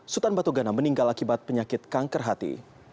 sultan batu gana meninggal akibat penyakit kanker hati